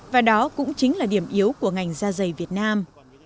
và đó cũng chính là điểm yếu của ngành da dày việt nam